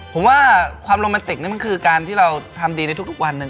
ผมว่าความโรแมนติกนี่มันคือการที่เราทำดีในทุกวันหนึ่ง